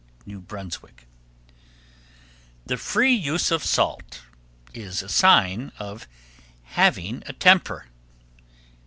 New Brunswick. 1313. The free use of salt is a sign of having a temper.